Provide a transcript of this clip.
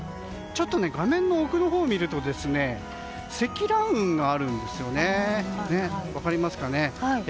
ちょっと画面の奥のほうを見ると積乱雲があるんですよね。